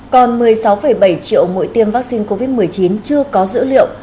còn một mươi sáu bảy triệu mũi tiêm vắc xin covid một mươi chín chưa có dữ liệu